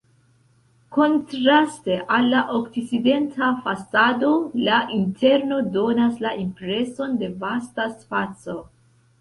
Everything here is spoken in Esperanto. Kontraste al la okcidenta fasado la interno donas la impreson de vasta spaco.